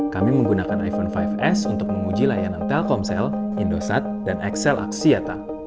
kami menggunakan iphone lima s untuk menguji layanan telkomsel indosat dan excel aksiata